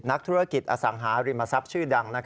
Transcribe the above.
นักธุรกิจอสังหาริมทรัพย์ชื่อดัง